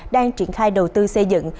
đang triển khai đầu tư xây dựng